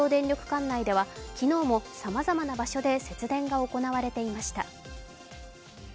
管内では昨日もさまざまな場所で節電が行われていました。